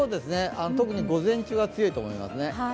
特に午前中は強いと思いますね。